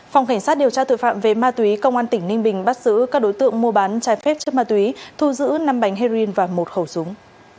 phòng cảnh sát điều tra tội phạm về ma túy công an tỉnh ninh bình bắt giữ các đối tượng mua bán trái phép chất ma túy thu giữ năm bánh heroin và một khẩu súng